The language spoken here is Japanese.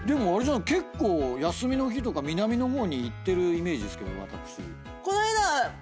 結構休みの日とか南の方に行ってるイメージですけど私。